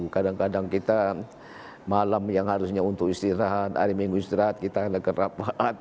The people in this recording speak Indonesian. kadang kadang kita malam yang harusnya untuk istirahat hari minggu istirahat kita lakukan rapat